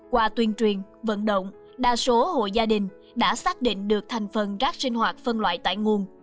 qua tuyên truyền vận động đa số hộ gia đình đã xác định được thành phần rác sinh hoạt phân loại tại nguồn